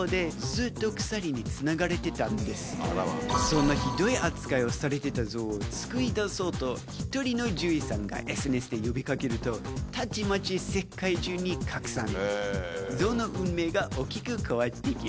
そんなひどい扱いをされてたゾウを救い出そうと１人の獣医師さんがＳＮＳで呼び掛けるとたちまち世界中に拡散。